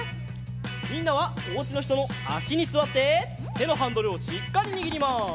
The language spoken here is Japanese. みんなはおうちのひとのあしにすわっててのハンドルをしっかりにぎります。